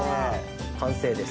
完成です。